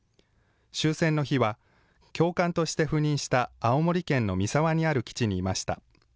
終戦の日は教官として赴任した青森県の三沢にある基地にいました。